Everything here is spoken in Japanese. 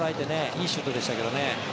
いいシュートでしたけど。